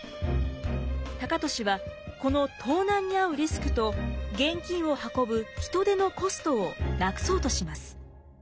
高利はこの盗難に遭うリスクと現金を運ぶ人手のコストをなくそうとします。